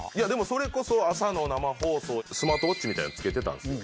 それこそ朝の生放送でスマートウオッチみたいなの着けてたんですよ。